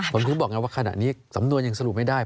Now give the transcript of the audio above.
ผมถึงบอกไงว่าขณะนี้สำนวนยังสรุปไม่ได้